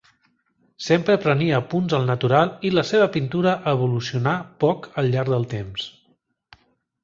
Sempre prenia apunts al natural i la seva pintura evolucionà poc al llarg del temps.